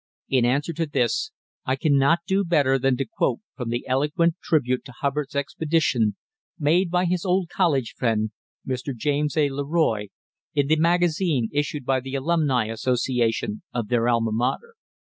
In answer to this I cannot do better than to quote from the eloquent tribute to Hubbard's expedition made by his old college friend, Mr. James A. LeRoy, in the magazine issued by the Alumni Association of their alma mater.